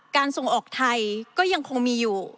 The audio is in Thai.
ส่งออกไทยก็ยังคงมีอยู่